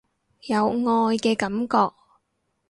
有愛嘅感覺